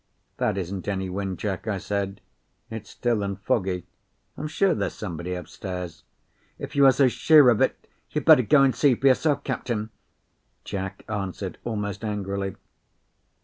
"That isn't any wind, Jack," I said; "it's still and foggy. I'm sure there's somebody upstairs." "If you are so sure of it, you'd better go and see for yourself, captain," Jack answered, almost angrily.